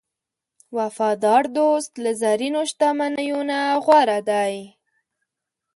وفادار دوست له زرینو شتمنیو نه غوره دی.